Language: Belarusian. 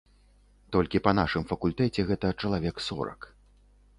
Толькі па нашым факультэце гэта чалавек сорак.